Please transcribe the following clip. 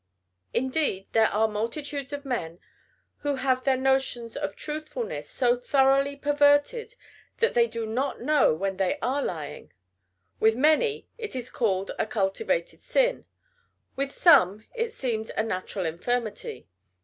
Indeed, there are multitudes of men who have their notions of truthfulness so thoroughly perverted, that they do not know when they are lying. With many it is a cultivated sin; with some it seems a natural infirmity.